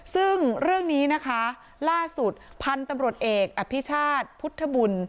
ซึ่งเรื่องนี้นะคะล่าสุดพันธุ์ตำรวจเอกอภิชาติพุทธบุญ